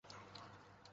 সে কি তাকে ট্রেস করেছে?